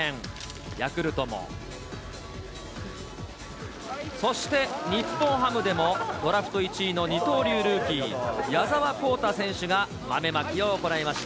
ヤクルトも、そして日本ハムでも、ドラフト１位の二刀流ルーキー、矢澤宏太選手が豆まきを行いました。